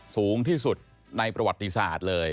สูงที่สุดในประวัติศาสตร์เลย